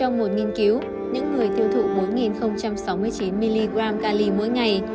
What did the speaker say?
trong một nghiên cứu những người tiêu thụ bốn sáu mươi chín mg ca ly mỗi ngày